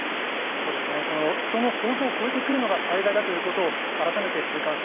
そうですね、この人の想像を超えてくるのが災害だということを、改めて痛感し